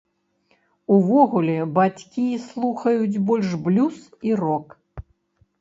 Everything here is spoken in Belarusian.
Увогуле, бацькі слухаюць больш блюз і рок.